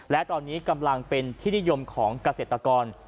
และตอนนี้กำลังเป็นที่นิยมของเกษตรกร